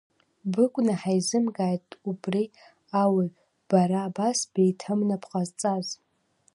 Быгәнаҳа изымгааит убри ауаҩ, бара абас беиҭымны бҟазҵаз.